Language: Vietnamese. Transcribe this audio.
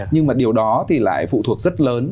nhưng mà điều đó thì lại phụ thuộc rất lớn